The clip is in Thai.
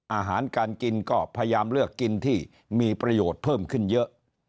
อาหารการกินก็พยายามเลือกกินที่มีประโยชน์เพิ่มขึ้นเยอะ